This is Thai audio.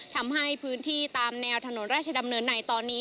ทำให้พื้นที่ตามแนวถนนราชดำเนินในตอนนี้